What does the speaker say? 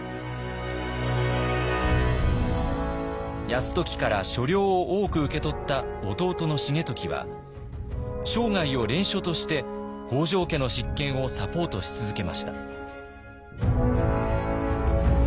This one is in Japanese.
泰時から所領を多く受け取った弟の重時は生涯を「連署」として北条家の執権をサポートし続けました。